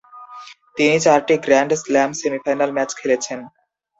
তিনি চারটি grand slam semifinal match খেলেছেন।